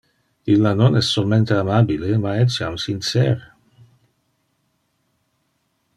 Illa non es solmente amabile, ma etiam sincer.